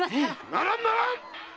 ならんならん！